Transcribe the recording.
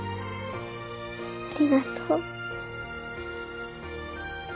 ありがとう。